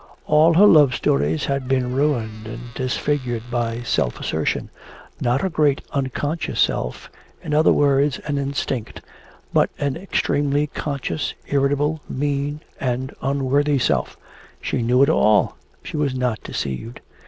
All her love stories had been ruined and disfigured by self assertion, not a great unconscious self, in other words an instinct, but an extremely conscious, irritable, mean, and unworthy self. She knew it all, she was not deceived.